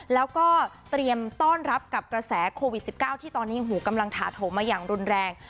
แล้วก็เตรียมต้อนรับกับกระแสโควิด๑๙ที่ตอนนี้หูกำลังถาโถมมาอย่างรุนแรง